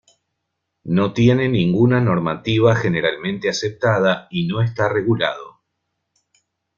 No tiene ninguna normativa generalmente aceptada y no esta regulado.